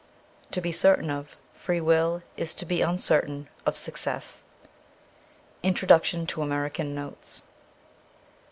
To be certain of free will is to be uncertain of success. Introduction to 'American Notes.'